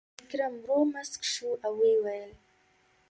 ویکرم ورو موسک شو او وویل: